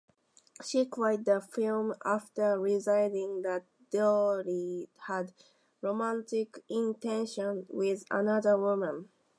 She quit the film after realizing that Dooley had romantic intentions with another woman.